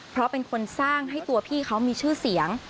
เพราะเป็นคนสร้างให้ตัวพี่เขามีชื่อเสียง